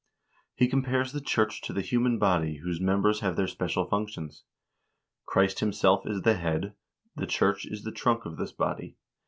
He compares the church to the human body whose mem bers have their special functions. "Christ himself is the head, the church is the trunk of this body.